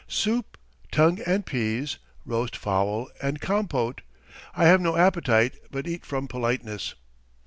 Soup, tongue and peas, roast fowl, and compôte. I have no appetite, but eat from politeness.